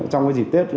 trong cái dịp tết